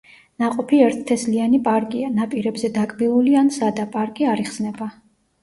ნაყოფი ერთთესლიანი პარკია, ნაპირებზე დაკბილული ან სადა, პარკი არ იხსნება.